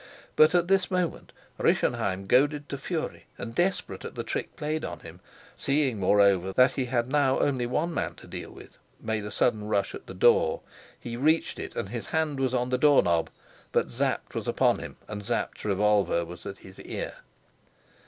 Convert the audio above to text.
But at this moment Rischenheim, goaded to fury and desperate at the trick played on him seeing, moreover, that he had now only one man to deal with made a sudden rush at the door. He reached it, and his hand was on the door knob. But Sapt was upon him, and Sapt's revolver was at his ear.